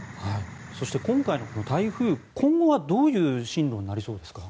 そして、今回の台風今後はどういう進路になりそうですか？